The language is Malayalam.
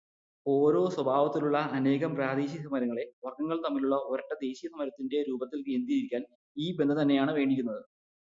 ഒരേ സ്വഭാവത്തിലുള്ള അനേകം പ്രാദേശികസമരങ്ങളെ വർഗങ്ങൾ തമ്മിലുള്ള ഒരൊറ്റ ദേശീയസമരത്തിന്റെ രൂപത്തിൽ കേന്ദ്രീകരിക്കാൻ ഈ ബന്ധം തന്നെയാണ് വേണ്ടിയിരുന്നത്.